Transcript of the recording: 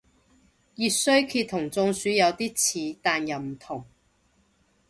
熱衰竭同中暑有啲似但又唔同